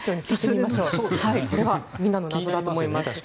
みんなの謎だと思います。